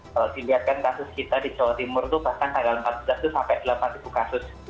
kalau dilihatkan kasus kita di jawa timur itu pasang tanggal empat belas sampai delapan ribu kasus